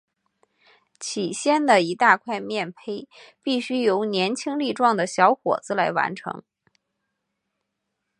起先的一大块面培必须由年轻力壮的小伙子来完成。